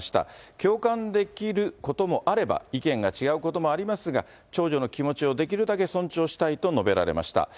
共感できることもあれば、意見が違うこともありますが、長女の気持ちをできるだけ尊重したいと述べられました。